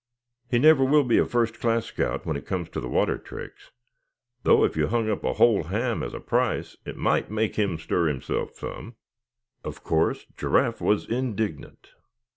He never will be a first class scout when it comes to the water tricks; though if you hung up a whole ham as a price it might make him stir himself some." Of course Giraffe was indignant.